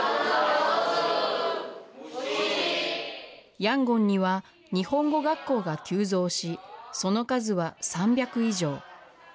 ヤンゴンには日本語学校が急増し、その数は３００以上。